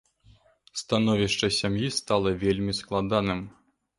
Становішча сям'і стала вельмі складаным.